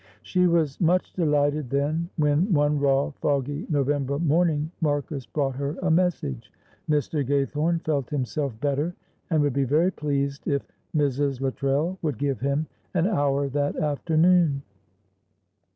She was much delighted then when one raw, foggy November morning Marcus brought her a message. Mr. Gaythorne felt himself better, and would be very pleased if Mrs. Luttrell would give him an hour that afternoon.